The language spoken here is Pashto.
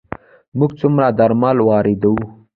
موږ څومره درمل واردوو؟